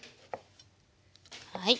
はい。